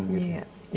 itu melalui musik